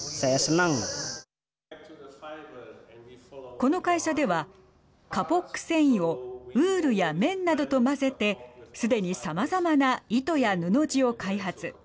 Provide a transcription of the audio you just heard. この会社ではカポック繊維をウールや綿などと混ぜてすでにさまざまな糸や布地を開発。